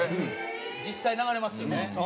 実際流れますよね。